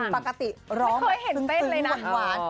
ปกติร้องซึ้งหวาน